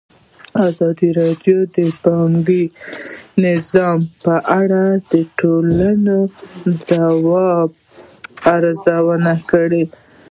ازادي راډیو د بانکي نظام په اړه د ټولنې د ځواب ارزونه کړې.